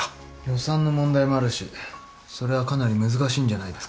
予算の問題もあるしそれはかなり難しいんじゃないですか。